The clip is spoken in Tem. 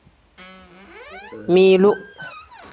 Milu.